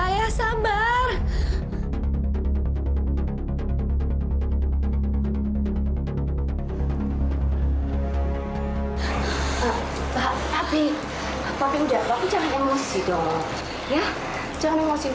ya jangan emosi